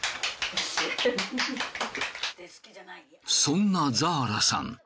そんなザーラさん